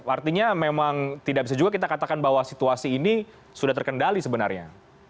artinya memang tidak bisa juga kita katakan bahwa situasi ini sudah terkendali sebenarnya